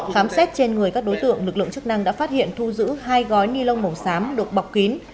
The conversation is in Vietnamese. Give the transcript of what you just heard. khám xét trên người các đối tượng lực lượng chức năng đã phát hiện thu giữ hai gói ni lông màu xám được bọc kín